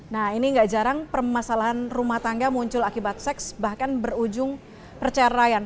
nah ini gak jarang permasalahan rumah tangga muncul akibat seks bahkan berujung perceraian